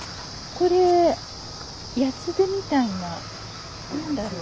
これヤツデみたいな何だろう？